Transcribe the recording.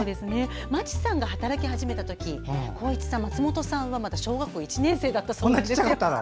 町さんが働き始めた時松本康一さんはまだ小学校１年生だったそうです。